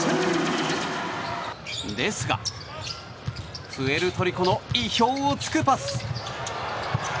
ですがプエルトリコの意表を突くパス。